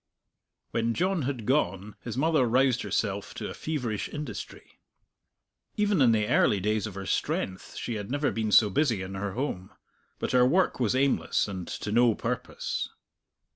When John had gone his mother roused herself to a feverish industry. Even in the early days of her strength she had never been so busy in her home. But her work was aimless and to no purpose.